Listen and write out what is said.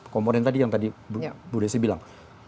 komponen tadi yang tadi bu desi bilang